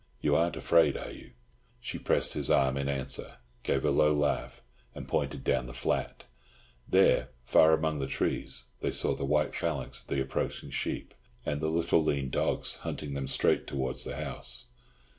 You aren't afraid, are you?" She pressed his arm in answer, gave a low laugh, and pointed down the flat. There, far away among the trees, they saw the white phalanx of the approaching sheep, and the little lean dogs hunting them straight towards the house.